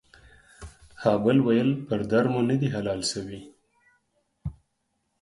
ها بل ويل پر در مو ندي حلال سوى.